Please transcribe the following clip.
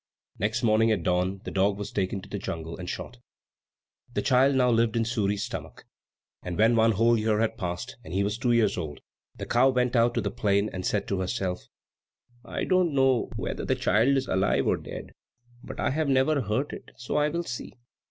Next morning at dawn the dog was taken to the jungle and shot. The child now lived in Suri's stomach; and when one whole year had passed, and he was two years old, the cow went out to the plain, and said to herself, "I do not know whether the child is alive or dead. But I have never hurt it, so I will see."